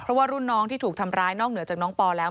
เพราะว่ารุ่นน้องที่ถูกทำร้ายนอกเหนือจากน้องปอแล้ว